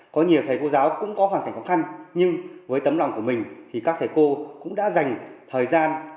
có nhiều thầy cô giáo cũng có hoàn cảnh khó khăn nhưng với tấm lòng của mình thì các thầy cô cũng đã dành thời gian